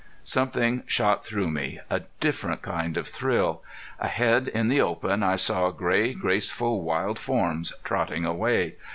Something shot through me a different kind of thrill. Ahead in the open I saw gray, graceful, wild forms trotting away.